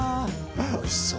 おいしそう。